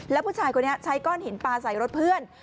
แล้วผู้ชายคนนี้ใช้ก้อนหินปลาใส่รถเพื่อน